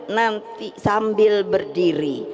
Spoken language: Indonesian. nanti sambil berdiri